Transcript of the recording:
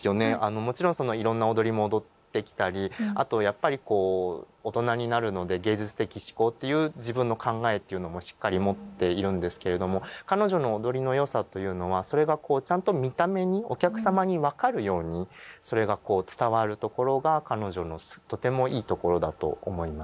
もちろんいろんな踊りも踊ってきたりあとやっぱり大人になるので芸術的思考っていう自分の考えというのもしっかり持っているんですけれども彼女の踊りの良さというのはそれがちゃんと見た目にお客様に分かるようにそれが伝わるところが彼女のとてもいいところだと思います。